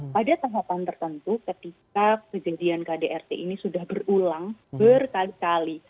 pada tahapan tertentu ketika kejadian kdrt ini sudah berulang berkali kali